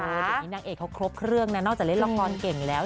เดี๋ยวนี้นางเอกเขาครบเครื่องนะนอกจากเล่นละครเก่งแล้ว